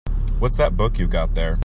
What's that book you've got there?